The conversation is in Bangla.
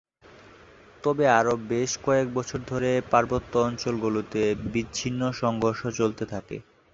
তবে আরো বেশ কয়েক বছর ধরে পার্বত্য অঞ্চলগুলোতে বিচ্ছিন্ন সংঘর্ষ চলতে থাকে।